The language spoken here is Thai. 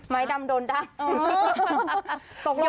ไม้ดำโดดั้ง